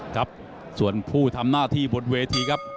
ครับส่วนผู้ทำหน้าที่บนเวทีครับ